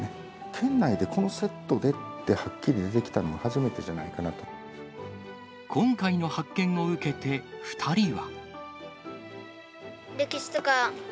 県内でこのセットでって、はっきり出てきたのは、初めてじゃない今回の発見を受けて２人は。